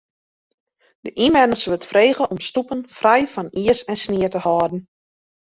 De ynwenners wurdt frege om stoepen frij fan iis en snie te hâlden.